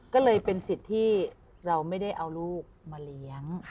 ก็เลยเป็นสิทธิ์ที่เราไม่ได้เอาลูกมาเลี้ยง